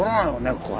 ここは。